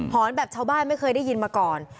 อนแบบชาวบ้านไม่เคยได้ยินมาก่อน